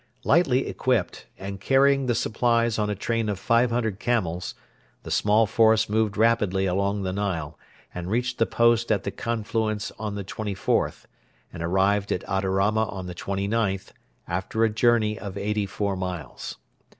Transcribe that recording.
Lightly equipped, and carrying the supplies on a train of 500 camels, the small force moved rapidly along the Nile and reached the post at the confluence on the 24th, and arrived at Adarama on the 29th, after a journey of eighty four miles.